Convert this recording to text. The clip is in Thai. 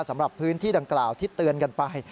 สำหรับพื้นที่ดังกล่าวที่เตือนกันไป